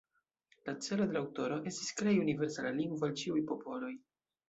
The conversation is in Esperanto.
La celo de la aŭtoro estis krei universala lingvo al ĉiuj popoloj.